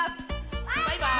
バイバーイ！